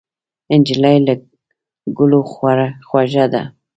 نجلۍ له ګلو خوږه ده.